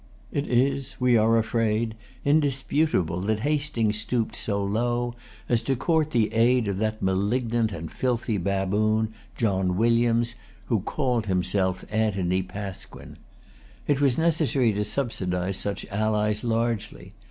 It is, we are afraid, indisputable that Hastings stooped so low as to court the aid of that malignant and filthy baboon John Williams, who called himself Anthony Pasquin. It was necessary to subsidize such allies largely.